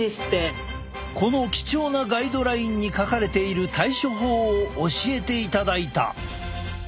この貴重なガイドラインに書かれている対処法を教えていただいた！